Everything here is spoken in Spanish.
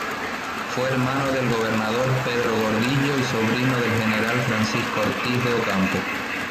Fue hermano del gobernador Pedro Gordillo y sobrino del general Francisco Ortiz de Ocampo.